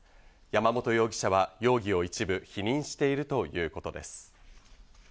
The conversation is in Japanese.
山本容疑者は容疑を一部否認しているということです。